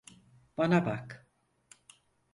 Bana bak.